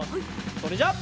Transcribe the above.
それじゃあ。